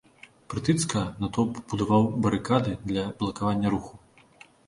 Прытыцкага, натоўп будаваў барыкады для блакавання руху.